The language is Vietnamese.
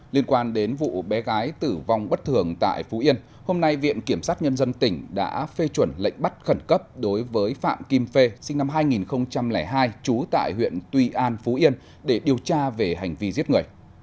liên quan đến vụ bé gái tử vong bất thường tại phú yên hôm nay viện kiểm sát nhân dân tỉnh đã phê chuẩn lệnh bắt khẩn cấp đối với phạm kim phê sinh năm hai nghìn hai trú tại huyện tuy an phú yên để điều tra về hành vi giết người